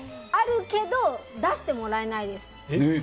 あるけど出してもらえないんです。